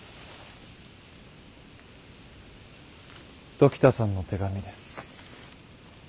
時田さんの手紙です。